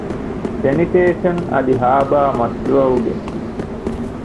ސެނިޓޭޝަން އަދި ހާރބަރ މަޝްރޫޢުގެ